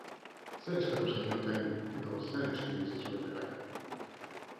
Zer eskatu zenioten edo zer eskaini zizuen berak?